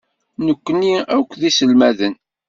Nekkni akk d iselmaden.